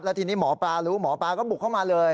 ทีนี้หมอปลารู้หมอปลาก็บุกเข้ามาเลย